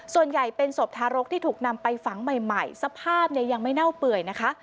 ส่วนใหญ่เป็นศพทารกที่ถูกนำไปฝังใหม่สภาพเนี่ยยังไม่เน่าเปื่อยนะคะ